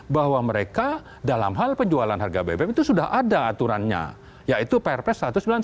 bahwa mereka dalam hal penjualan harga bbm itu sudah ada aturannya yaitu prps satu ratus sembilan puluh sembilan